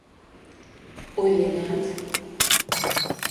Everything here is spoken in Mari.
— Ойленат?